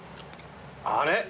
あれ？